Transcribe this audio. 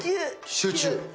集中？